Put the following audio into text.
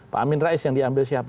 pak amin rais yang diambil siapa